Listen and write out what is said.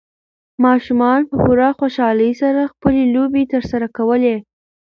ماشومانو په پوره خوشالۍ سره خپلې لوبې ترسره کولې.